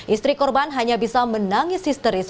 istri korban hanya bisa menangis histeris